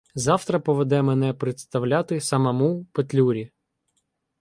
Завтра поведе мене представляти самому Петлюрі.